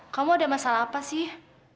kamu ada masalah apa sih ya